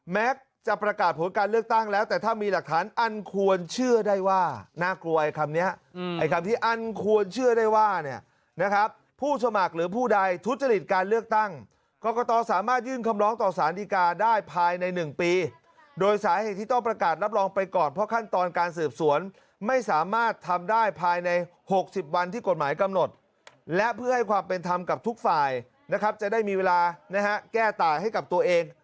แม็กซ์จะประกาศผลการเลือกตั้งแล้วแต่ถ้ามีหลักฐานอันควรเชื่อได้ว่า